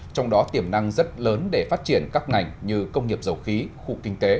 trong đó tiềm năng rất lớn để phát triển các ngành như công nghiệp dầu khí khu kinh tế